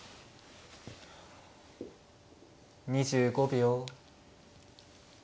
２５秒。